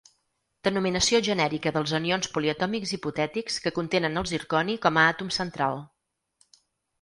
Denominació genèrica dels anions poliatòmics hipotètics que contenen el zirconi com a àtom central.